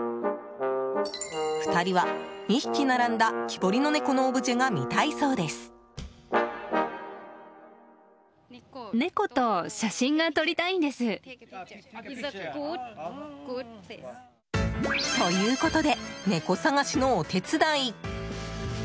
２人は、２匹並んだ木彫りの猫のオブジェが見たいそうです。ということで猫探しのお手伝い。